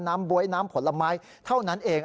บ๊วยน้ำผลไม้เท่านั้นเอง